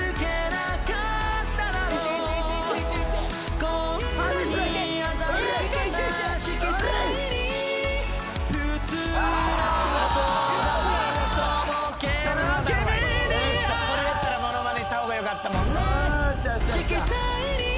これやったらモノマネした方がよかったもんね。